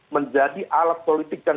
menjadi alat politik dan